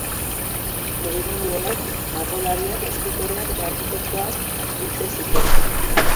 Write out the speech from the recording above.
Mugimendu honek, margolariak, eskultoreak eta arkitektoak biltzen zituen.